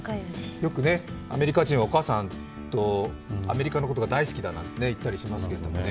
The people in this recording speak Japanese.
よくアメリカ人はお母さんとアメリカのことが大好きだと言ったりしますけどね。